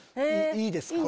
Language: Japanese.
いいんですか？